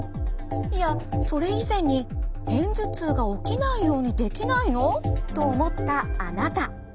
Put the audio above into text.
いやそれ以前に片頭痛が起きないようにできないの？と思ったあなた。